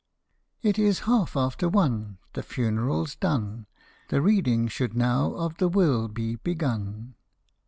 It is half after one, The funeral's done, The reading should now of the will be begun.